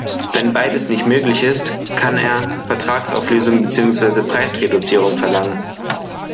Wenn beides nicht möglich ist, kann er Vertragsauflösung beziehungsweise Preisreduzierung verlangen.